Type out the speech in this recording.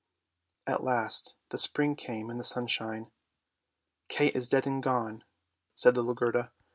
At last the spring came and the sunshine. " Kay is dead and gone," said little Gerda.